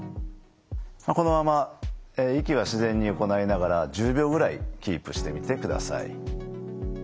このまま息は自然に行いながら１０秒ぐらいキープしてみてください。